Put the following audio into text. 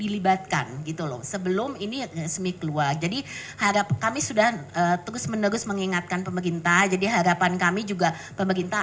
jadinya harapan kami juga pemerintah akan ada mendengar